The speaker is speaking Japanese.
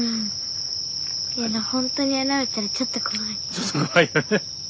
ちょっと怖いよね。